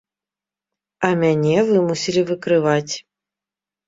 А мяне вымусілі выкрываць.